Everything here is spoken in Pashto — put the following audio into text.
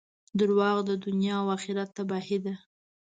• دروغ د دنیا او آخرت تباهي ده.